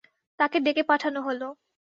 তাকে ডেকে পাঠানো হল।